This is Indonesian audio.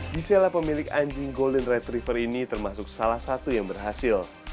disela pemilik anjing golden retriever ini termasuk salah satu yang berhasil